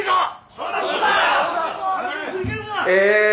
そうだそうだ！え